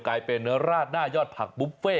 กลายเป็นราดหน้ายอดผักบุฟเฟ่